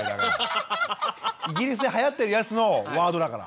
イギリスではやってるやつのワードだから。